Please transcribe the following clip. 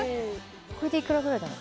これで幾らぐらいだろう。